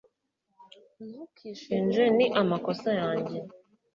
Ntukishinje Ni amakosa yanjye